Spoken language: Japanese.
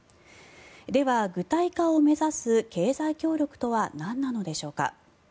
では具体化を目指す経済協力とはなんなのでしょうか。